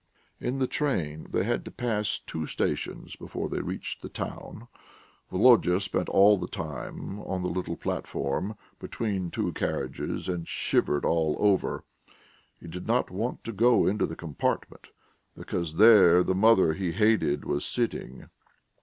In the train they had to pass two stations before they reached the town. Volodya spent all the time on the little platform between two carriages and shivered all over. He did not want to go into the compartment because there the mother he hated was sitting.